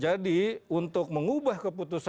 jadi untuk mengubah keputusan mk